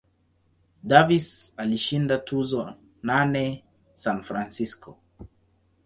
Davis alishinda tuzo nane San Francisco.